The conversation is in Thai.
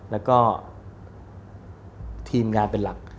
แล้วก็ทีมงานเป็นหลัก